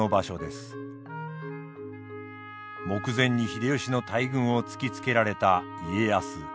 目前に秀吉の大軍を突きつけられた家康。